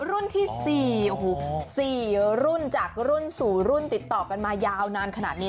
๔รุ่นเ฀ราะสี่รุ่นติดต่อมายาวนานขนาดนี้